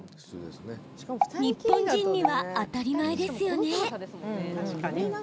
日本人には当たり前ですよね。